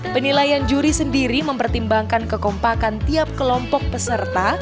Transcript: penilaian juri sendiri mempertimbangkan kekompakan tiap kelompok peserta